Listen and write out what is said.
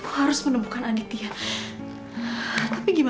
aku harus pergi dan memberitahukan tentang anak ini pada aditya